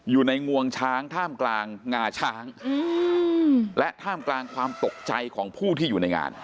งวงช้างท่ามกลางงาช้างและท่ามกลางความตกใจของผู้ที่อยู่ในงาน